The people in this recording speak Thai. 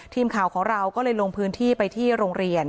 ทีมข่าวของเราก็เลยลงพื้นที่ไปที่โรงเรียน